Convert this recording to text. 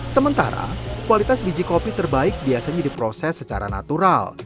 sementara kualitas biji kopi terbaik biasanya diproses secara natural